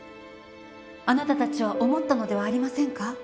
あなたたちは思ったのではありませんか？